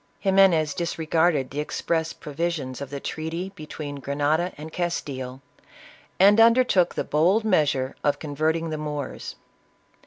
Ximenes disregarded the express provisions of the treaty between Grenada and Castile, and undertook the bold measure of converting the Moors.